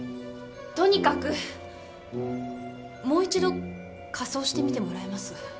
とにかくもう一度火葬してみてもらえます？